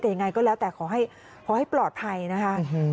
แต่ยังไงก็แล้วแต่ขอให้ปลอดภัยนะคะ